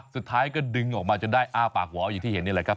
สุดท้ายก็ดึงออกมาจนได้อ้าปากหวออย่างที่เห็นนี่แหละครับ